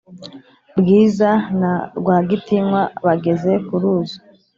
bwiza na rwagitinywa bageze kuruzi